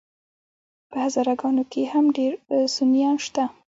په هزاره ګانو کي هم ډير سُنيان شته